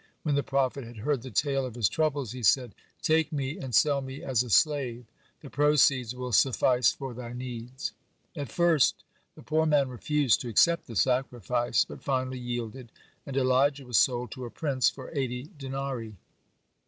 When the prophet had heard the tale of his troubles, he said: "Take me and sell me as a slave; the proceeds will suffice for thy needs." At first the poor man refused to accept the sacrifice, but finally yielded, and Elijah was sold to a prince for eighty denarii.